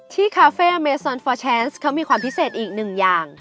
คาเฟ่อเมซอนฟอร์แนนซ์เขามีความพิเศษอีกหนึ่งอย่าง